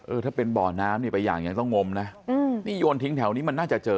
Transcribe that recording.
ถ้าเป็นบ่อน้ำนี่ไปอย่างยังต้องงมนะนี่โยนทิ้งแถวนี้มันน่าจะเจอ